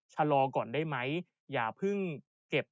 ชะลอก่อนได้มั้ยอย่าเพิ่งเก็บ